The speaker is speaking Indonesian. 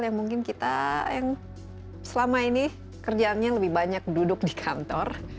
yang mungkin kita yang selama ini kerjaannya lebih banyak duduk di kantor